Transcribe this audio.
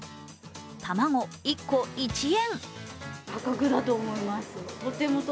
卵１個１円。